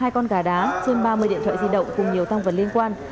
hai con gà đá trên ba mươi điện thoại di động cùng nhiều tăng vật liên quan